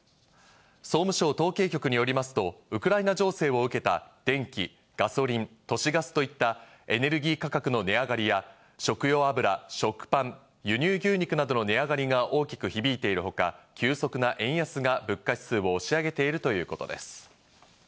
総務省統計局によりますと、ウクライナ情勢を受けた電気、ガソリン、都市ガスといったエネルギー価格の値上がりや食用油、食パン、輸入牛肉などの値上がりが大きく響いているほか、急速な円安が物価指数を押し上げているということです。